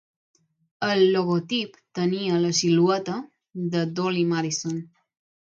El logotip tenia la silueta de Dolly Madison.